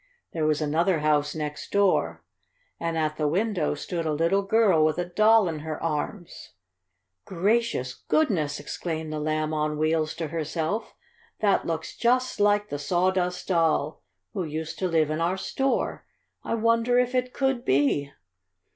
There was another house next door, and at the window stood a little girl with a doll in her arms. "Gracious goodness!" exclaimed the Lamb on Wheels to herself. "That looks just like the Sawdust Doll who used to live in our store! I wonder if it could be?"